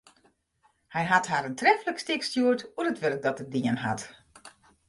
Hy hat har in treflik stik stjoerd oer it wurk dat er dien hat.